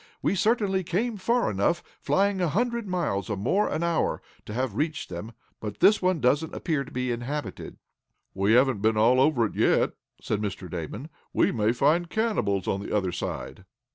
"We certainly came far enough, flying a hundred miles or more an hour, to have reached them. But this one doesn't appear to be inhabited." "We haven't been all over it yet," said Mr. Damon. "We may find cannibals on the other side."